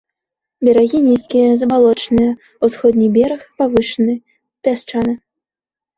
Берагі нізкія, забалочаныя, усходні бераг павышаны, пясчаны.